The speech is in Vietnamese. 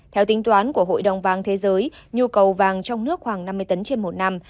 theo tính toán của hội đồng vàng thế giới nhu cầu vàng trong nước khoảng năm mươi tấn trên một năm